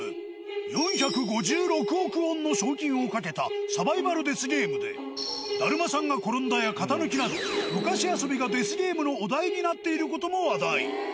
４５６億ウォンの賞金をかけた、サバイバルデスゲームで、だるまさんがころんだや、かた抜きなど、昔遊びがデスゲームのお題になっていることも話題。